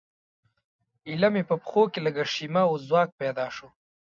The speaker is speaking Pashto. ایله مې پښو کې لږه شیمه او ځواک پیدا شو.